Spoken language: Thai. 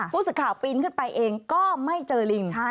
ผู้สื่อข่าวปีนขึ้นไปเองก็ไม่เจอลิง